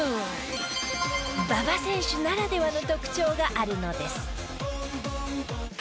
馬場選手ならではの特徴があるのです。